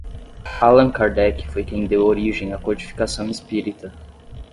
Allan Kardec foi quem deu origem à codificação espírita